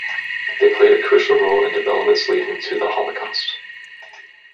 They played a crucial role in developments leading to the Holocaust.